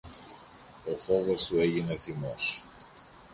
ο φόβος του έγινε θυμός.